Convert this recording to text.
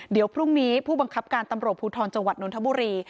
เดี๋ยวพรุ่งนี้ผู้บังคับการตำรวจภูทรจังหวัดนทบุรี